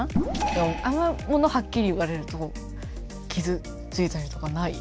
あんまり物はっきり言われると傷ついたりとかない？